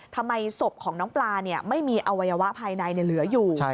ทำไมศพของน้องปลาไม่มีอวัยวะภายในเหลืออยู่